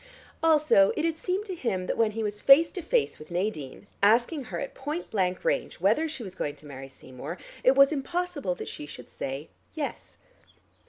Also, it had seemed to him that when he was face to face with Nadine, asking her at point blank range, whether she was going to marry Seymour, it was impossible that she should say "Yes."